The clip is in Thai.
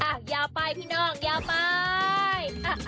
อย่าไปพี่น้องอย่าไป